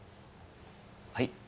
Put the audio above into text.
はい？